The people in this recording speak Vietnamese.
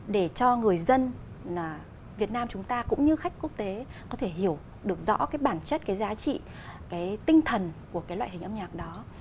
để cho người dân việt nam chúng ta cũng như khách quốc tế có thể hiểu được rõ cái bản chất cái giá trị cái tinh thần của cái loại hình âm nhạc đó